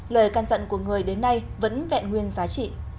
lời can dận của người đến nay vẫn vẹn nguyên giá trị